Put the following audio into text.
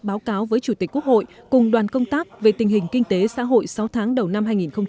báo cáo với chủ tịch quốc hội cùng đoàn công tác về tình hình kinh tế xã hội sáu tháng đầu năm hai nghìn hai mươi